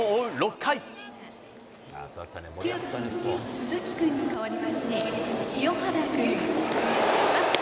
鈴木君にかわりまして清原君。